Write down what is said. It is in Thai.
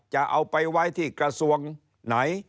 จะเอาไปไว้ที่กระทรวงไหน